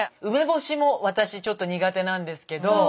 梅干しも私ちょっと苦手なんですけど。